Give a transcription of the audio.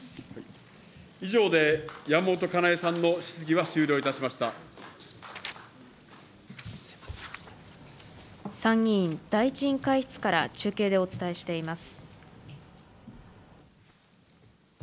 以上で山本香苗さんの質疑は参議院第１委員会室から、中継でお伝えしています。